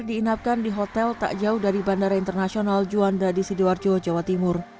diinapkan di hotel tak jauh dari bandara internasional juanda di sidoarjo jawa timur